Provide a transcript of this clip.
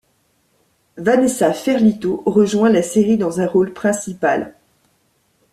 Vanessa Ferlito rejoint la série dans un rôle principal.